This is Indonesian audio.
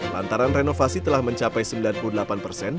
lantaran renovasi telah mencapai sembilan puluh delapan persen